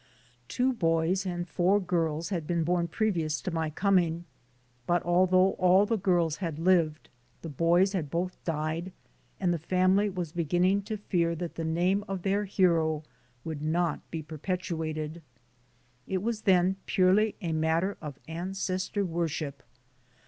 Two boys and four girls had been born previous to my coming, but although all the girls had lived, the boys had both died and the family was beginning to fear that the name of their hero would not be perpetuated. It was, then, purely a matter of ancestor worship.